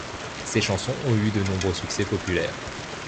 Ses chansons ont eu de nombreux succès populaires.